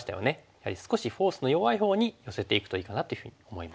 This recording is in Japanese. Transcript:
やはり少しフォースの弱いほうに寄せていくといいかなというふうに思います。